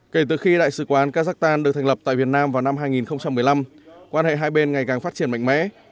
kể từ khi đại sứ quán kazakhstan được thành lập tại việt nam vào năm hai nghìn một mươi năm quan hệ hai bên ngày càng phát triển mạnh mẽ